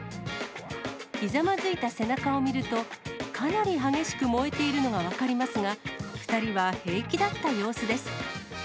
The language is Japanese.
ひざまずいた背中を見ると、かなり激しく燃えているのが分かりますが、２人は平気だった様子です。